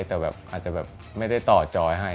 แต่แบบอาจจะแบบไม่ได้ต่อจอยให้